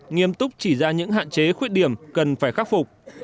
nghiêm túc chỉ ra những hạn chế khuyết điểm cần phải khắc phục